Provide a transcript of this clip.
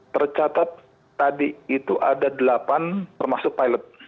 tercatat tadi itu ada delapan termasuk pilot